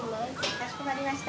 かしこまりました。